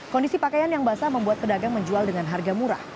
kondisi pakaian yang basah membuat pedagang menjual dengan harga murah